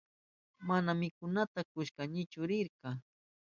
Mana mikunata kushkaykichu nirka.